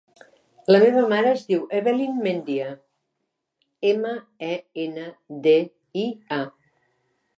La meva mare es diu Evelyn Mendia: ema, e, ena, de, i, a.